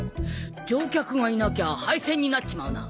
乗客がいなきゃ廃線になっちまうな。